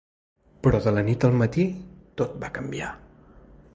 Però de la nit al matí tot va canviar.